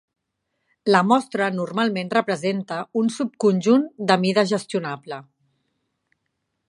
La mostra normalment representa un subconjunt de mida gestionable.